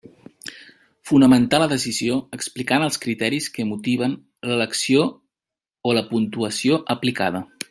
Fonamentar la decisió, explicant els criteris que motiven l'elecció o la puntuació aplicada.